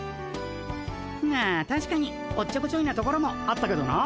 まあたしかにおっちょこちょいなところもあったけどな。